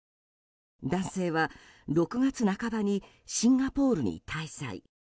男性は６月半ばにシンガポールに滞在。